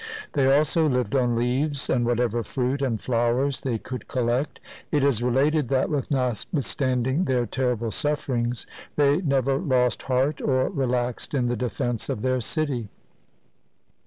They also lived on leaves and what ever fruit and flowers they could collect. It is related that, notwithstanding their terrible sufferings, they never lost heart or relaxed in the defence of their city.